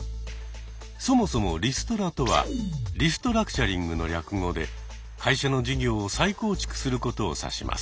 そもそもリストラとは「リストラクチャリング」の略語で会社の事業を再構築することを指します。